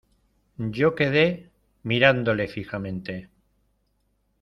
yo quedé mirándole fijamente: